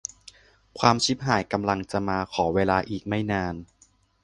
ความชิบหายกำลังจะมา ขอเวลาอีกไม่นาน